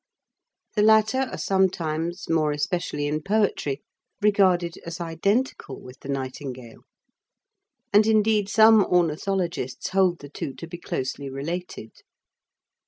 The latter are sometimes, more especially in poetry, regarded as identical with the nightingale; and, indeed, some ornithologists hold the two to be closely related.